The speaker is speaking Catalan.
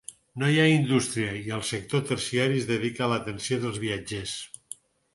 No hi ha indústria i el sector terciari es dedica a l'atenció dels viatgers.